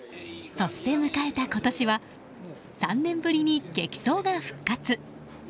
そして迎えた今年は３年ぶりに激走が復活。